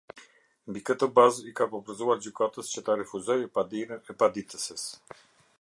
Mbi këtë bazë i ka propozuar gjykatës që ta refuzoj padinë e paditëses.